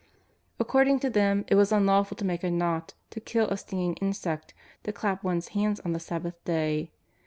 According to them it was unlawful to make a knot, to kill a stinging insect, to clap one's hands on the Sabbath day.